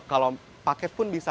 kalau paket pun bisa